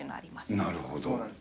なるほど。